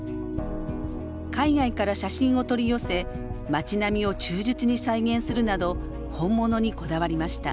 海外から写真を取り寄せ町並みを忠実に再現するなど本物にこだわりました。